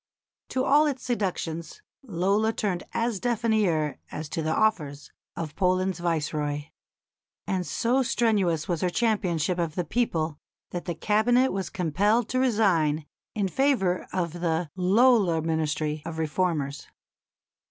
To all its seductions Lola turned as deaf an ear as to the offers of Poland's Viceroy. And so strenuous was her championship of the people that the Cabinet was compelled to resign in favour of the "Lola Ministry" of reformers.